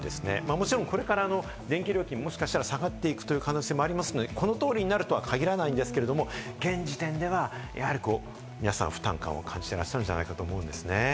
もちろんこれから電気料金、もしかしたら下がっていくという可能性もありますので、この通りになるとは限らないんですけど、現時点では皆さん、負担を感じていらっしゃるんじゃないかと思います。